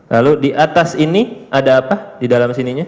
lalu di atas ini ada apa di dalam sininya